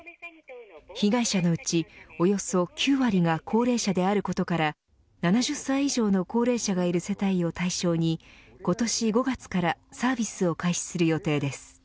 被害者のうち、およそ９割が高齢者であることから７０歳以上の高齢者がいる世帯を対象に今年５月からサービスを開始する予定です。